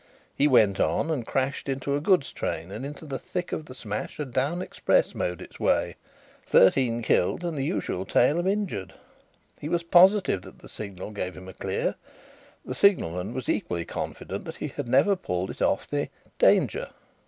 He went on and crashed into a goods train and into the thick of the smash a down express mowed its way. Thirteen killed and the usual tale of injured. He was positive that the signal gave him a 'clear'; the signalman was equally confident that he had never pulled it off the 'danger.'